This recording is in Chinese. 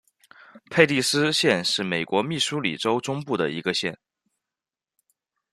佩蒂斯县是美国密苏里州中部的一个县。